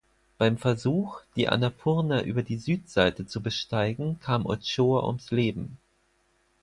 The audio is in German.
Beim Versuch, die Annapurna über die Südseite zu besteigen, kam Ochoa ums Leben.